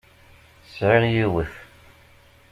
Sεiɣ yiwet.